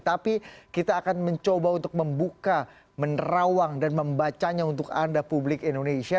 tapi kita akan mencoba untuk membuka menerawang dan membacanya untuk anda publik indonesia